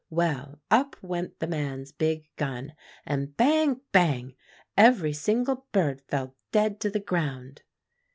"Well, up went the man's big gun, and bang! bang! every single bird fell dead to the ground."